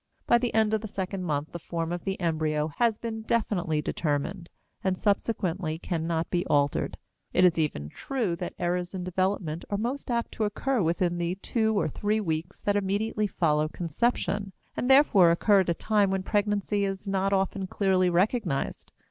By the end of the second month the form of the embryo has been definitely determined, and subsequently cannot be altered. It is even true that errors in development are most apt to occur within the two or three weeks that immediately follow conception, and therefore occur at a time when pregnancy is not often clearly recognized.